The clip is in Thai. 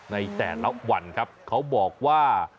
ในแต่ละวันครับเขาบอกว่า